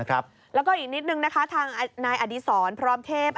แล้วก็อีกนิดนึงนะคะทางนายอดีศรพร้อมเทพ